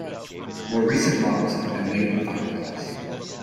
More recent models have been made in fibreglass.